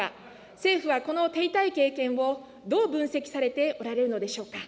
政府はこの手痛い経験をどう分析されておられるのでしょうか。